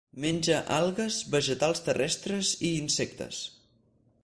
Menja algues, vegetals terrestres i insectes.